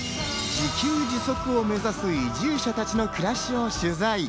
自給自足を目指す移住者たちの暮らしを取材。